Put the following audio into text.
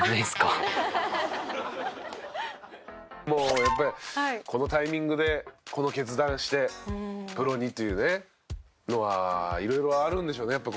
もうやっぱりこのタイミングでこの決断してプロにっていうのは色々あるんでしょうね。